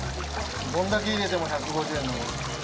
どんだけ入れても１５０円なんです。